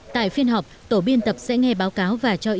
tại phiên họp tổ biên tập sẽ nghe báo cáo và cho ý